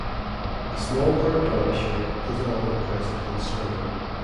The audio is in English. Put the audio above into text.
A small part of Derbyshire is all the present concern.